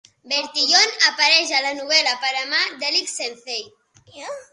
Bertillon apareix a la novel·la "Panamà" d'Eric Zencey.